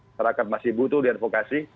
masyarakat masih butuh dan vokasi